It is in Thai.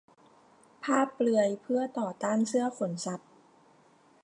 ภาพเปลือยเพื่อต่อต้านเสื้อขนสัตว์